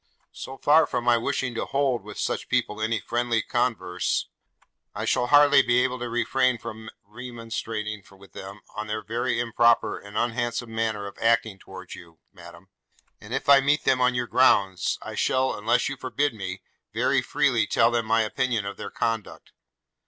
'So far from my wishing to hold with such people any friendly converse, I shall hardly be able to refrain from remonstrating with them on their very improper and unhandsome manner of acting towards you, madam; and if I meet them on your grounds, I shall, unless you forbid me, very freely tell them my opinion of their conduct.'